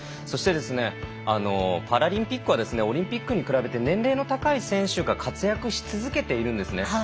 そしてですねパラリンピックはですねオリンピックに比べて年齢の高い選手が活躍し続けているんですね。